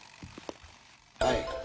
はい。